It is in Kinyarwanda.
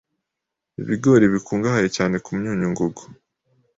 Ibigori bikungahaye cyane ku myunyungugu